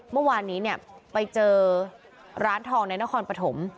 เมื่อวานนี้เนี่ยไปเจอร้านทองในนครปฐม